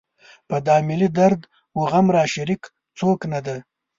په دا ملي درد و غم راشریک څوک نه ده.